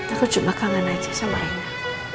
aku cuma kangen aja sama rena